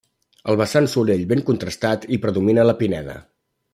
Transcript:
Al vessant solell, ben contrastat, hi predomina la pineda.